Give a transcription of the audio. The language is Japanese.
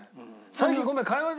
最近ごめん。